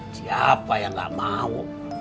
siapa yang gak mau